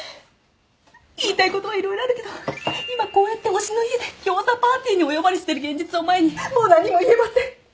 言いたいことは色々あるけど今こうやって推しの家でギョーザパーティーにお呼ばれしてる現実を前にもう何も言えません！